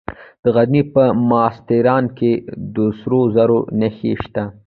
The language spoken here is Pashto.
د غزني په مالستان کې د سرو زرو نښې شته.